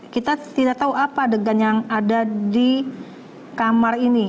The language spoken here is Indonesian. kita tidak tahu apa adegan yang ada di kamar ini